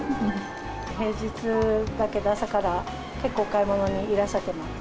平日だけど、朝から結構、お買い物にいらっしゃってます。